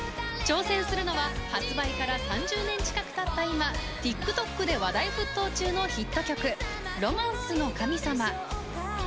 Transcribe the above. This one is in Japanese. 挑戦するのは発売から３０年近くたった今ＴｉｋＴｏｋで話題沸騰中のヒット曲『ロマンスの神様』。